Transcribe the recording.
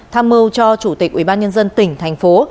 tham mưu cho chủ tịch ubnd tỉnh thành phố